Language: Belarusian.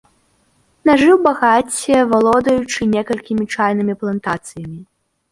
Нажыў багацце, валодаючы некалькімі чайнымі плантацыямі.